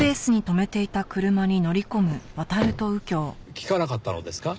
聞かなかったのですか？